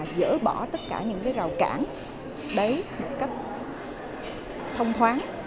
dỡ bỏ tất cả những rào cản đấy một cách thông thoáng